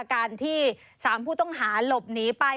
การที่๓ผู้ต้องหาหลบหนีไป